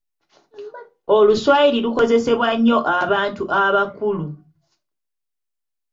Oluswayiri lukozesebwa nnyo abantu abakulu.